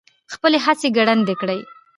خپلې هڅې ګړندۍ کړي.